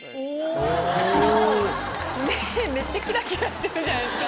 目めっちゃキラキラしてるじゃないですか！